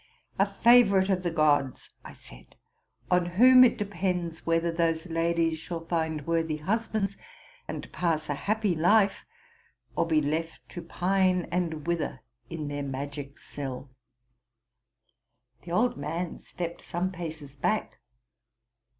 ''—'* A favorite of the gods,'' I said, ''on whom it depends whether those ladies shall find worthy husbands and pass a happy life, or be left to pine and wither in Dae magic cell.'' .The old man stepped some paces back.